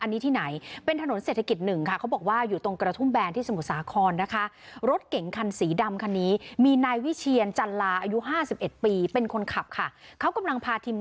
นี่ลองดูอ่านี่แหละค่ะ